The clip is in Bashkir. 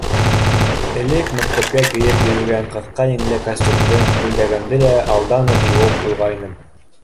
Элек мәктәпкә кейеп йөрөгән ҡыҫҡа еңле костюмды, күлдәгемде лә алдан уҡ йыуып ҡуйғайным.